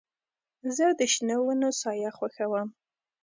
زه د شنو ونو سایه خوښوم.